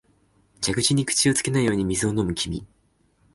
蛇口に口をつけないように水を飲む君、